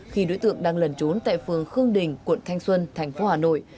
khi đối tượng đang lẩn trốn tại phường khương đình quận thanh xuân thành phố hà nội